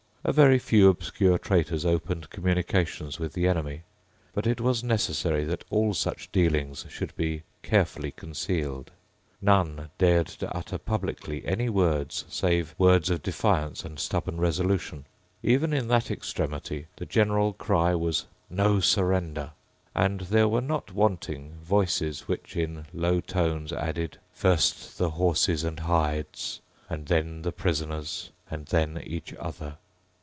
A very few obscure traitors opened communications with the enemy. But it was necessary that all such dealings should be carefully concealed. None dared to utter publicly any words save words of defiance and stubborn resolution. Even in that extremity the general cry was "No surrender." And there were not wanting voices which, in low tones, added, "First the horses and hides; and then the prisoners; and then each other."